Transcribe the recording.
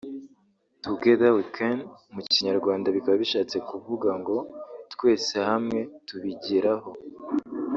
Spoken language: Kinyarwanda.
'Together we can' mu kinyarwanda bikaba bishatse kuvuga ngo 'Twese hamwe twabigeraho'